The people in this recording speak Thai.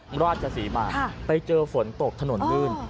ราชศรีมาไปเจอฝนตกถนนลื่น